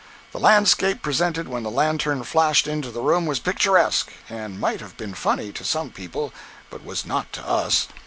The landscape presented when the lantern flashed into the room was picturesque, and might have been funny to some people, but was not to us.